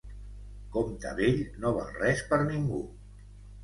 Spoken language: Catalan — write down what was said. Compte vell no val res per ningú.